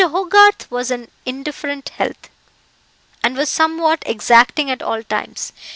Hogarth was in indifferent health, and was somewhat exacting at all times.